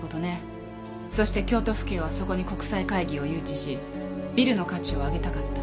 そして京都府警はそこに国際会議を誘致しビルの価値を上げたかった。